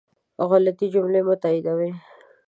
غلطي جملې مه تائیدوئ